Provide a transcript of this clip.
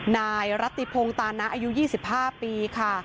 นายรัติพงตานะอายุ๒๕ปีค่ะ